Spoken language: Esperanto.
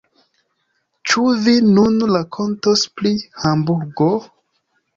Ĉu vi nun rakontos pri Hamburgo?